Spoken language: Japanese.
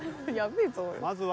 まずは。